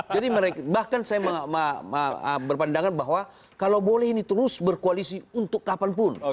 jadi mereka bahkan saya berpandangan bahwa kalau boleh ini terus berkoalisi untuk kapanpun